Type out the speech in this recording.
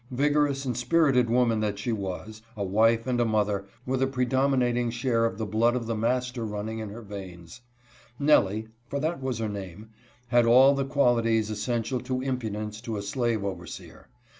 Vig orous and spirited woman that she was, a wife and a mother, with a predominating share of the blood of the master running in her veins, Nellie (for that was her name) had all the qualities essential to impudence to a slave overseer.